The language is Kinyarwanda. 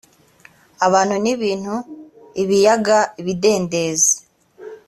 abantu n ibintu ibiyaga ibidendezi